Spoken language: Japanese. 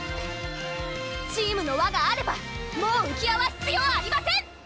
チームの輪があればもううき輪は必要ありません！